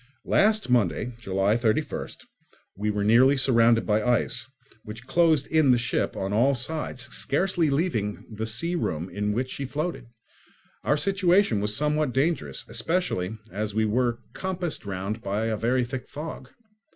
Last Monday (July 31st) we were nearly surrounded by ice, which closed in the ship on all sides, scarcely leaving her the sea room in which she floated. Our situation was somewhat dangerous, especially as we were compassed round by a very thick fog.